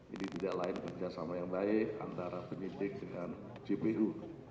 ini tidak lain kerjasama yang baik antara penyidik dengan jpu